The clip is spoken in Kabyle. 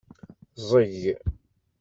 Ẓẓeg.